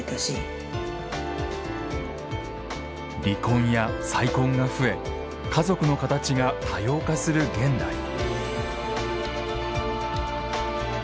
離婚や再婚が増え家族の形が多様化する現代。